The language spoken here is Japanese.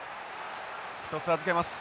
一つ預けます。